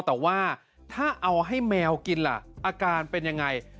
แต่ว่าถ้าเอาให้แมวกินล่ะอาการเป็นยังไง